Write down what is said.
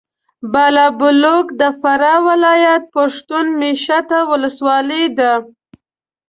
بالابلوک د فراه ولایت پښتون مېشته ولسوالي ده.